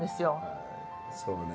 そうね。